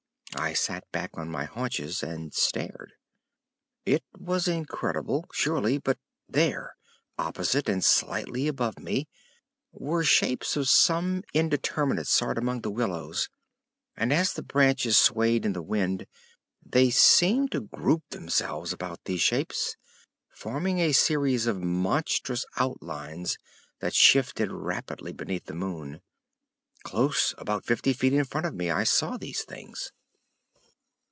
I sat back on my haunches and stared. It was incredible, surely, but there, opposite and slightly above me, were shapes of some indeterminate sort among the willows, and as the branches swayed in the wind they seemed to group themselves about these shapes, forming a series of monstrous outlines that shifted rapidly beneath the moon. Close, about fifty feet in front of me, I saw these things.